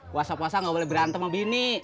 puasa puasa gak boleh berantem sama bini